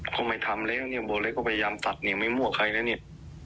เขาไม่ทำแล้วเนี่ยบัวเล็กก็พยายามตัดเนี่ยไม่มั่วใครแล้วเนี่ย